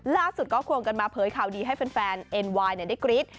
ล่าสุดก็ควงกันมาเผยข่าวดีให้แฟนเอ็นไวน์ได้กรี๊ด